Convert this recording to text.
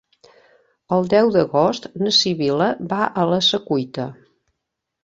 El deu d'agost na Sibil·la va a la Secuita.